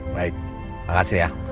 baik makasih ya